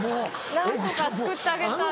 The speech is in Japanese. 何とか救ってあげたい。